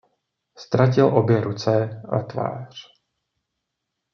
Ztratil obě ruce a tvář.